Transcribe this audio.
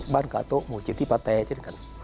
บ้านกาโต๊ะหมู่เจ็บที่ปะแต้เจ็ดกัน